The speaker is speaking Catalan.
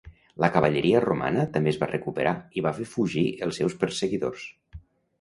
La cavalleria romana també es va recuperar i va fer fugir els seus perseguidors.